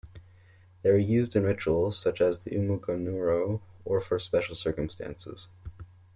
They were used in rituals, such as the "umuganuro", or for special circumstances.